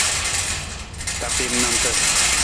Tapiim nanta.